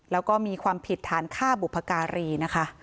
แล้วก็มีความผิดฐานฆ่าบุพการีนะคะ